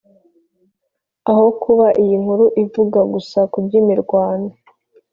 Aho kuba iyi nkuru ivuga gusa iby imirwano